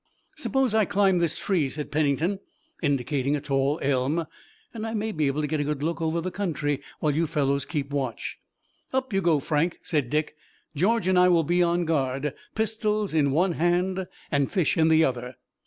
"Suppose I climb this tree," said Pennington, indicating a tall elm, "and I may be able to get a good look over the country, while you fellows keep watch." "Up you go, Frank," said Dick. "George and I will be on guard, pistols in one hand and fish in the other."